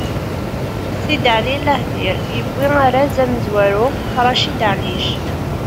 Sidali Lahdir yewwi arraz amezwaru Racid Ɛellic.